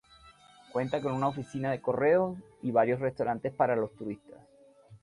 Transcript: Cuenta con una oficina de correos y varios restaurantes para los turistas.